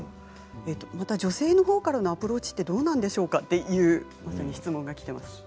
また女性のほうからのアプローチってどうなんでしょうかというまさに質問がきています。